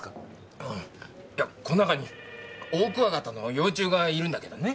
いやこん中にオオクワガタの幼虫がいるんだけどね。